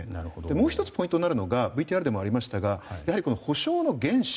もう１つ、ポイントになるのがＶＴＲでもありましたが補償の原資。